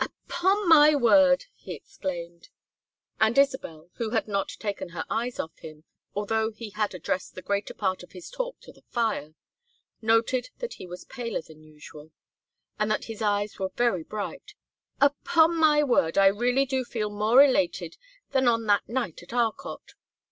"Upon my word!" he exclaimed; and Isabel, who had not taken her eyes off him, although he had addressed the greater part of his talk to the fire, noted that he was paler than usual and that his eyes were very bright; "upon my word, I really do feel more elated than on that night at Arcot.